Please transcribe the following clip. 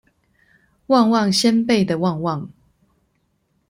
旺旺仙貝的旺旺